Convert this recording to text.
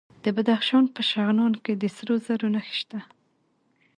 د بدخشان په شغنان کې د سرو زرو نښې شته.